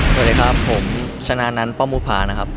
สวัสดีครับผมชนะนั้นป้อมมุภานะครับ